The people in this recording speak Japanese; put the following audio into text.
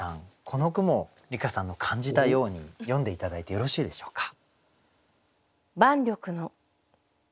この句も梨香さんの感じたように読んで頂いてよろしいでしょうか？